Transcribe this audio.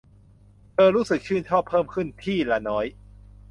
เธอรู้สึกชื่นชอบเพิ่มขึ้นที่ละน้อย